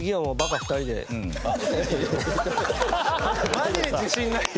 マジで自信ないよ？